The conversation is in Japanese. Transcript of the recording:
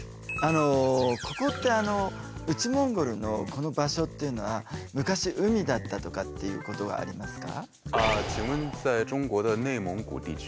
ここってあの内モンゴルのこの場所っていうのは昔海だったとかっていうことがありますか？